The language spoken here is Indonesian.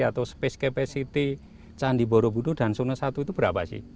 nah berdasarkan carrying capacity atau space capacity candi borobudur dan suna i itu berapa sih